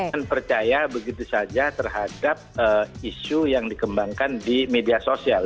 dan percaya begitu saja terhadap isu yang dikembangkan di media sosial